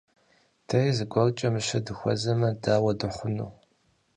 Дэри зыгуэркӀэ мыщэ дыхуэзэмэ, дауэ дыхъуну?